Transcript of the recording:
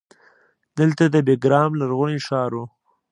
دلته د بیګرام لرغونی ښار و